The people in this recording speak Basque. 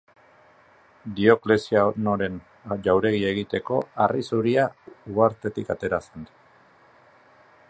Dioklezianoren jauregia egiteko harri zuria uhartetik atera zen.